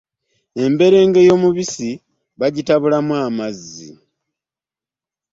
Emberenge y'omubisi bagitabulamu amazzi.